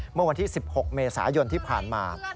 เมื่อวันที่๑๖เมษายนที่ผ่านมา